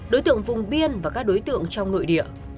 đối tượng vùng biên và các đối tượng trong nội địa